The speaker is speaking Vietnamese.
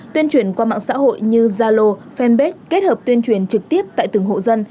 tuyên truyền qua mạng xã hội như zalo fanpage kết hợp tuyên truyền trực tiếp tại từng hộ dân